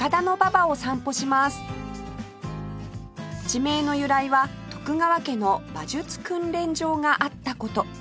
地名の由来は徳川家の馬術訓練場があった事